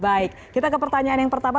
baik kita ke pertanyaan yang pertama